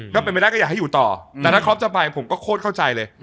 ก็เป็นไปได้ก็อยากให้อยู่ต่อแต่ถ้าครอปจะไปผมก็โคตรเข้าใจเลย